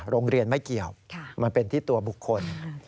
โรงเรียนไม่เกี่ยวมันเป็นที่ตัวบุคคล